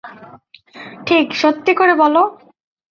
ঠিক সত্যি করে বলো।